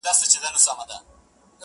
له نظمونو یم بېزاره له دېوانه یمه ستړی،